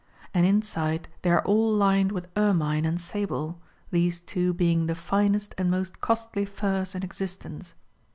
^ And inside they are all lined with ermine and sable, these two being the finest and most costly furs in existence.